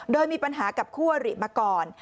โดยมีปัญหากับคู่อริมาก่อน